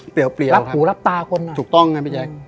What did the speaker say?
เปรียวเปรียวครับรับหูรับตาคนหน่อยถูกต้องครับพี่ใจอืม